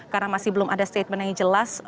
karena masih belum ada statement yang jelas